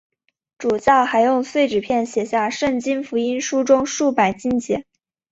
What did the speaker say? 主教还用碎纸片写下圣经福音书中数百经节。